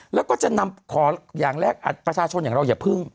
แล้วก็จะนำขออย่างแรกประชาชนอย่างเราอย่าพึ่ง